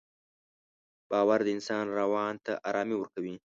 باور د انسان روان ته ارامي ورکوي.